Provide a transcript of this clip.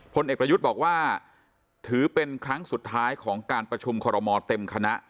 พลเอกประยุทธ์บอกว่าถือเป็นครั้งสุดท้ายของการประชุมคอรมอเต็มคณะ